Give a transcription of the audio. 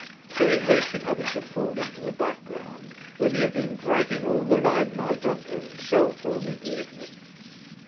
So he hated having to fall into the background, when he had been dragging all the lime light on to himself all the evening.